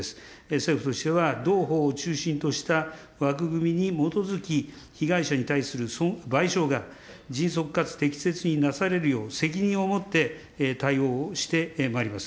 政府としては同法を中心とした枠組みに基づき、被害者に対する賠償が、迅速かつ適切になされるよう責任を持って対応をしてまいります。